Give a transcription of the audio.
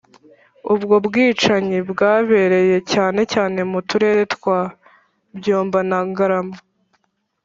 ubwo bwicanyi bwabereye cyane cyane mu turere twa byumba na ngarama